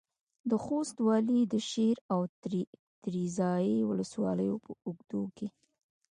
د خوست والي د شېر او تریزایي ولسوالیو په اوږدو کې